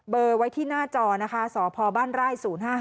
เบอร์ไว้ที่หน้าจอนะคะสพบ้านไร่๐๕๕๖๘๕๑๙๑